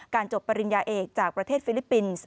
จบปริญญาเอกจากประเทศฟิลิปปินส์